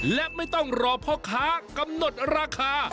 และไม่ต้องรอพ่อค้ากำหนดราคา